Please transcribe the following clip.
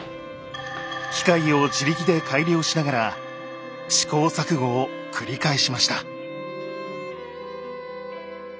機械を自力で改良しながら試行錯誤を繰り返しました。